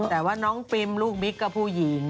แต่ว่าน้องปิมลูกบิ๊กก็ผู้หญิง